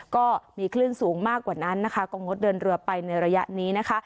ก็มีคลื่นสูงมากกว่านั้นนะคะก็งดเดินเรือไปในระยะนี้นะคะ